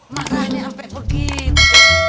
masalahnya sampai begitu